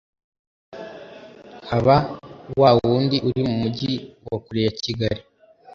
haba wa wundi uri mu mujyi wa kure ya Kigali